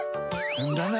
んだな！